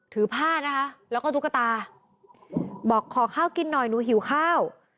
ถือผ้านะคะแล้วก็ตุ๊กตาบอกขอข้าวกินหน่อยหนูหิวข้าว